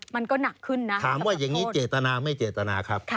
มันก็หนักขึ้นนะถามว่าอย่างนี้เจตนาไม่เจตนาครับ